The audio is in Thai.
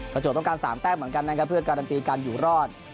จวบต้องการ๓แต้มเหมือนกันนะครับเพื่อการันตีการอยู่รอด